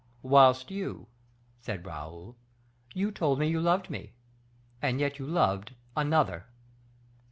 "Whilst you," said Raoul, "you told me you loved me, and yet you loved another."